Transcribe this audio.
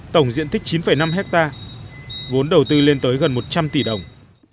tổng diện tích chín năm hectare vốn đầu tư lên tới gần một trăm linh tỷ đồng